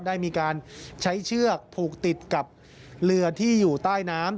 ได้มีการใช้เชือกผูกติดกับเรือที่อยู่ใต้น้ำ